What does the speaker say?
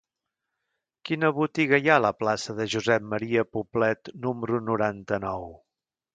Quina botiga hi ha a la plaça de Josep M. Poblet número noranta-nou?